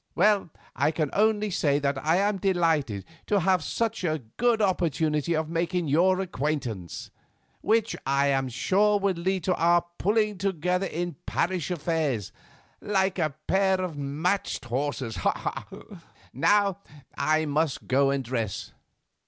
Well, I can only say that I am delighted to have such a good opportunity of making your acquaintance, which I am sure will lead to our pulling together in parish affairs like a pair of matched horses. Now I must go and dress.